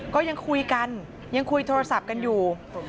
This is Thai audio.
ก็ยังคุยกันยังคุยโทรศัพท์กันอยู่